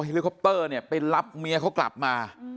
ลิคอปเตอร์เนี่ยไปรับเมียเขากลับมา